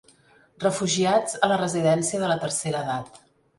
Refugiats a la residència de la tercera edat.